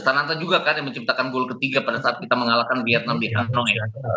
sananta juga kan yang menciptakan gol ketiga pada saat kita mengalahkan vietnam di hanoi